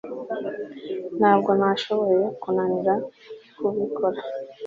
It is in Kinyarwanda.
ntabwo nashoboye kunanira kubikora